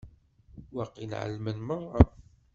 Waqil εelmen merra.